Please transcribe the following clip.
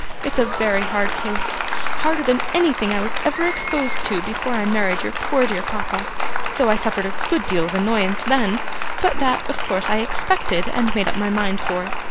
It's a very hard case harder than anything I was ever exposed to, before I married your poor dear papa, though I suffered a good deal of annoyance then but that, of course, I expected, and made up my mind for.